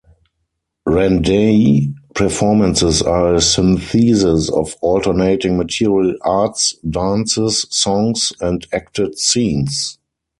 "Randai" performances are a synthesis of alternating martial arts dances, songs, and acted scenes.